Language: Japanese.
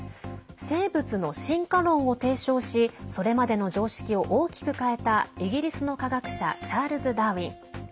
生物の進化論を提唱しそれまでの常識を大きく変えたイギリスの科学者チャールズ・ダーウィン。